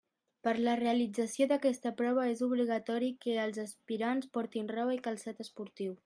Per la realització d'aquesta prova és obligatori que els aspirants portin roba i calçat esportiu.